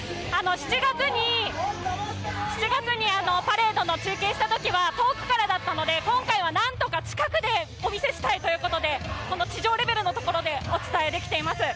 ７月にパレードの中継したときは遠くだったので今回はなんとか近くでお見せしたいということでこの地上レベルのところでお伝えできています。